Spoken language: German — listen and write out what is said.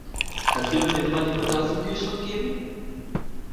Kannst du mir bitte mal die Butter aus dem Kühlschrank geben?